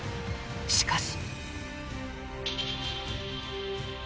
しかし。